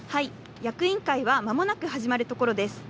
役員会は間もなく始まるところです。